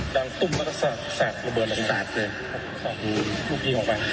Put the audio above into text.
ดังตุ้มพระศาสตร์สาบระเบิดบรรทีสักเดือนครับอืมอุ้มอิมออกมา